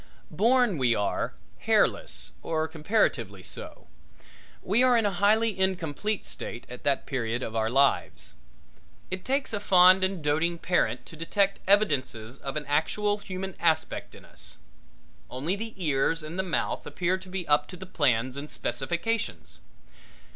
Born, we are, hairless or comparatively so. We are in a highly incomplete state at that period of our lives. It takes a fond and doting parent to detect evidences of an actual human aspect in us. Only the ears and the mouth appear to be up to the plans and specifications.